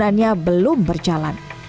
pembangunannya belum berjalan